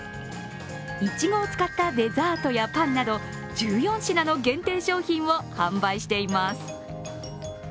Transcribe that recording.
いちごを使ったデザートやパンなど、１４品の限定商品を販売しています。